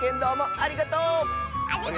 ありがとう！